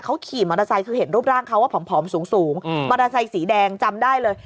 เขาขี่มอเตอร์ไซค์คือเห็นรูปร่างเขาว่าผอมสูงมอเตอร์ไซค์สีแดงจำได้เลย